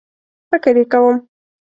فکر یې کوم